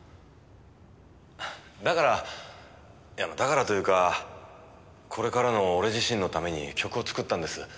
だからいやだからというかこれからの俺自身のために曲を作ったんです。